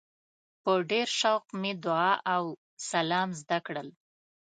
په ډېر شوق مې دعا او سلام زده کړل.